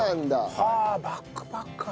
はあバックパッカー。